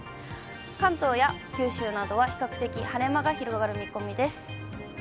関東や九州などは、比較的晴れ間が広がる見込みです。